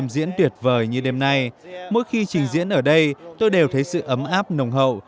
mỗi khi trình diễn tuyệt vời như đêm nay mỗi khi trình diễn ở đây tôi đều thấy sự ấm áp nồng hậu